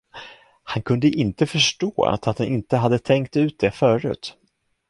Han kunde inte förstå att han inte hade tänkt ut det förut.